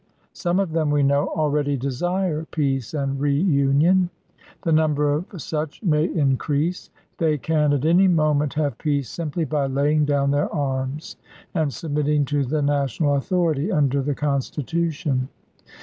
Some of them, we know, already desire peace and reunion. The number of such may increase. They can, at any moment, have peace simply by laying down their arms, and submitting to the National authority under the Con stitution.